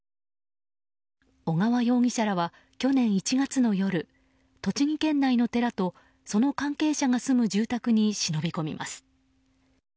小川容疑者らは去年１月の夜栃木県内の寺とその関係者が住む住宅に忍び込みます。